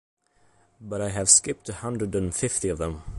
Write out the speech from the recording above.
But I have skipped a hundred and fifty of them.